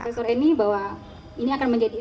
prof eni bahwa ini akan menjadi